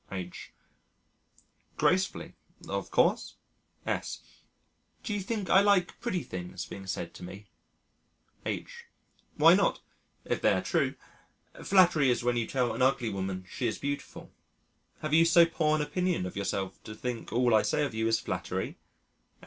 H.: "Gracefully, of course." S.: "Do you think I like pretty things being said to me?" H.: "Why not, if they are true. Flattery is when you tell an ugly woman she is beautiful. Have you so poor an opinion of yourself to think all I say of you is flattery?"